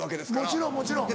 もちろんもちろん。